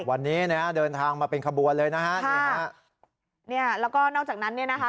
วันนี้นะฮะเดินทางมาเป็นขบวนเลยนะฮะนี่ฮะเนี่ยแล้วก็นอกจากนั้นเนี่ยนะคะ